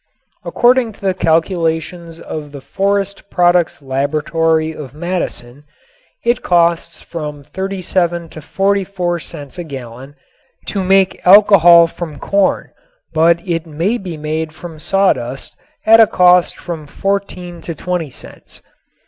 According to the calculations of the Forest Products Laboratory of Madison it costs from 37 to 44 cents a gallon to make alcohol from corn, but it may be made from sawdust at a cost of from 14 to 20 cents.